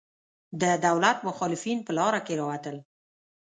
د دولت مخالفین په لاره کې راوتل.